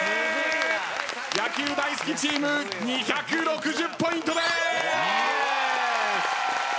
野球大好きチーム２６０ポイントでーす。